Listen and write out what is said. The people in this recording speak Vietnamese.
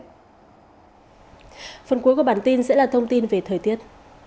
phần cuối của bản tin sẽ là thông tin về thời tiết